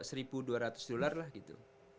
habisnya kita bawa seribu dua ratus dolar lah gitu